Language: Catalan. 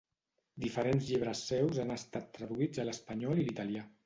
Diferents llibres seus han estat traduïts a l'espanyol i l'italià.